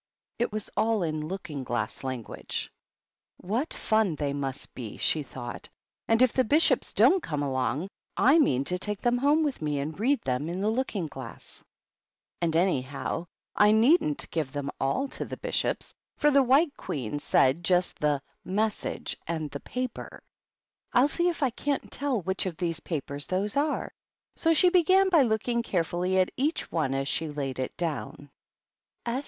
It was all in Looking Glass language. " What fun they must be !" she thought. " And if the Bishops don't come along, I mean to take them home with me and read them in the looking 168 THE BISHOPS. 159 glass. And, anyhow, I needn't give them all to the Bishops, for the White Queen said just the * Message^ and the * Paper J I'll see if I can't tell which of these papers those are." So she began by looking carefully at each one as she laid it down.